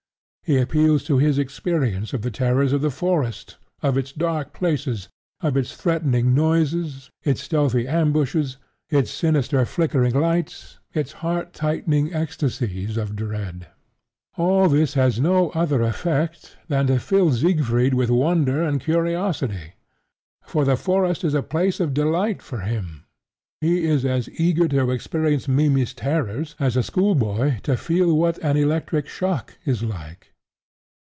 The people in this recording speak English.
He appeals to his experience of the terrors of the forest, of its dark places, of its threatening noises its stealthy ambushes, its sinister flickering lights its heart tightening ecstasies of dread. All this has no other effect than to fill Siegfried with wonder and curiosity; for the forest is a place of delight for him. He is as eager to experience Mimmy's terrors as a schoolboy to feel what an electric shock is like.